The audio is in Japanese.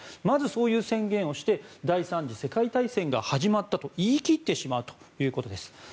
まずそういう宣言をして第３次世界大戦が始まったと言い切ってしまうということです。